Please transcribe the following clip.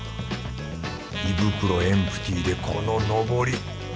胃袋エンプティーでこの上り。